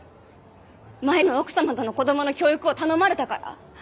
前の奥様との子供の教育を頼まれたから？